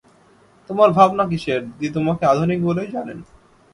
তোমার ভাবনা কিসের, দিদি তোমাকে আধুনিক বলেই জানেন!